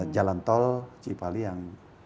jalan tol cipali yang